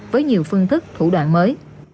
với nhiều phương thức thủ đoạn mới